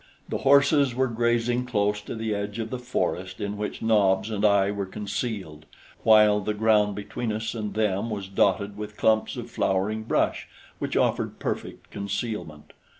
The horses were grazing close to the edge of the forest in which Nobs and I were concealed, while the ground between us and them was dotted with clumps of flowering brush which offered perfect concealment.